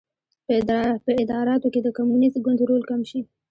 په اداراتو کې د کمونېست ګوند رول کم شي.